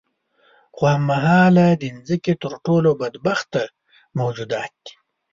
خو هم مهاله د ځمکې تر ټولو بدبخته موجودات دي.